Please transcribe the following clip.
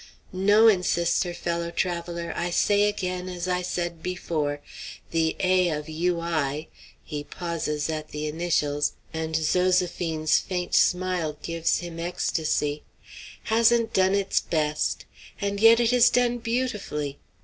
"No," insists her fellow traveller; "I say again, as I said before, the 'A. of U. I.'" he pauses at the initials, and Zoséphine's faint smile gives him ecstasy "hasn't done its best. And yet it has done beautifully!